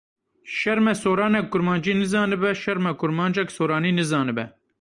Şerm e soranek kurmancî nizanibe, şerm e kurmancek soranî nizanibe.